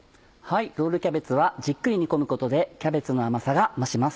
ロールキャベツはじっくり煮込むことでキャベツの甘さが増します。